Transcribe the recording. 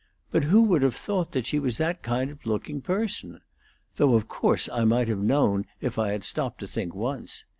But who would have thought she was that kind of looking person? Though of course I might have known if I had stopped to think once.